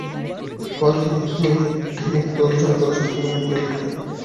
পার্কিংমুক্ত ঘোষণা করা সড়কগুলোর মধ্যে আবদুল্লাহপুর বাসস্ট্যান্ড এলাকায় বর্তমানে বেশি যানজট লাগছে।